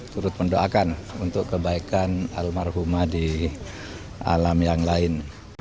turut mendoakan untuk kebaikan almarhumah di alam yang lain